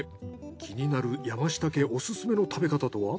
気になる山下家オススメの食べ方とは？